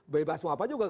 bebas mau apa juga